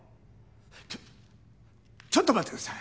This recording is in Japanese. ちょっちょっと待ってください。